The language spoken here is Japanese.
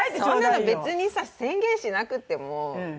そんなの別にさ宣言しなくても。